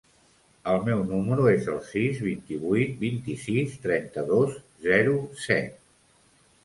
El meu número es el sis, vint-i-vuit, vint-i-sis, trenta-dos, zero, set.